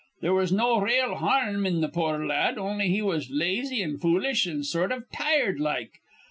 They was no rale harm in th' poor la ad, on'y he was lazy an' foolish an' sort iv tired like.